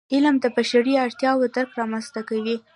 علم د بشري اړتیاوو درک رامنځته کوي.